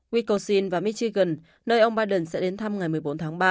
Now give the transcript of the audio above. wiscosin và michigan nơi ông biden sẽ đến thăm ngày một mươi bốn tháng ba